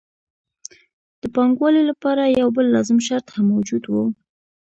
د پانګوالۍ لپاره یو بل لازم شرط هم موجود وو